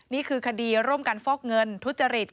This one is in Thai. นี่คือคดีร่วมกันฟอกเงินทุจริต